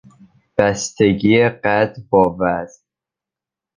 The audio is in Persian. بستگی قد با وزن